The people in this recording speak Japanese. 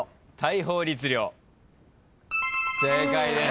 正解です。